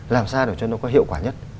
làm sao để cho nó có hiệu quả nhất